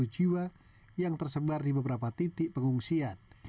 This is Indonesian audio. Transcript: satu ratus lima puluh jiwa yang tersebar di beberapa titik pengungsian